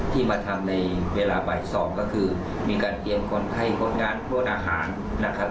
มาทำในเวลาบ่าย๒ก็คือมีการเตรียมคนไข้คนงานโทษอาหารนะครับ